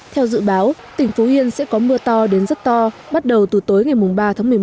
theo dự báo tỉnh phú yên sẽ có mưa to đến rất to bắt đầu từ tối ngày ba tháng một mươi một